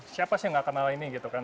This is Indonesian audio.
siapa sih yang gak kenal ini gitu kan